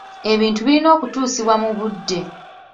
Ebintu birina kutuusibwa mu budde.